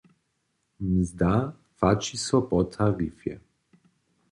Mzda płaći so po tarifje.